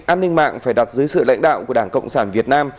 an ninh mạng phải đặt dưới sự lãnh đạo của đảng cộng sản việt nam